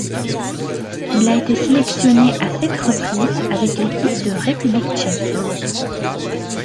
Il a été sélectionné à sept reprises avec l'équipe de République tchèque.